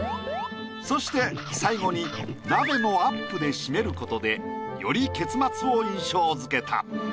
そして最後に鍋のアップで締めることでより結末を印象づけた。